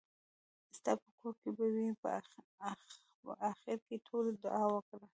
ستاپه کور کې به وي. په اخېر کې ټولو دعا وکړه .